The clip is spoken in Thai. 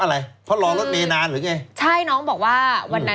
อะไรนะ